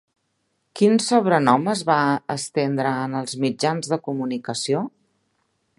Quin sobrenom es va estendre en els mitjans de comunicació?